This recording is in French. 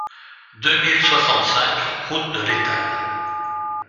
deux mille soixante-cinq route de l'Étale